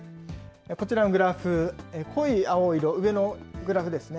こちらのグラフ、濃い青色、上のグラフですね。